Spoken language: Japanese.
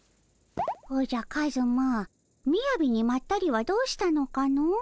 おじゃカズマみやびにまったりはどうしたのかの？